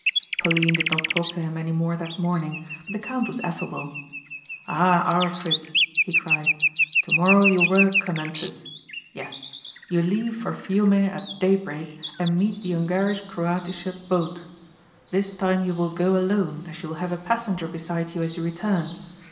Pauline did not talk to him any more that morning but the count was affable. "Ah, Arlfrit," he cried, "tomorrow your work commences. Yes. You leave for Fiume at daybreak and meet the Ungarisch Kroatische boat. This time you will go alone as you will have a passenger beside you as you return.